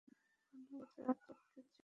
Condom ছাড়া করতে চাই না।